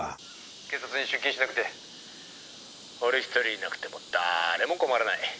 「警察に出勤しなくて」「俺１人いなくても誰も困らない」